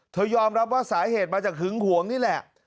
ยอมรับว่าสาเหตุมาจากหึงหวงนี่แหละ